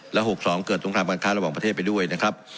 และ๖๒เกิดสงครามการค้าระหว่างประเทศไปด้วยนะครับ